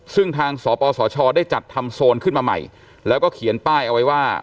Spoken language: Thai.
ซึ่งทางสปสชได้จัดทำโซนขึ้นมาใหม่แล้วก็เขียนป้ายเอาไว้ว่า